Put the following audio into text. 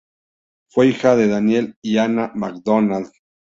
Fue hija de Daniel y Anna MacDonald.